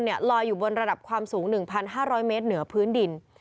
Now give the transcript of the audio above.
ลอยอยู่บนระดับความสูง๑๕๐๐เมตรเหนือพื้นดิน